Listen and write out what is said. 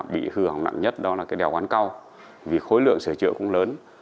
bị hư hỏng nặng nhất đó là cái đèo quán cao vì khối lượng sửa chữa cũng lớn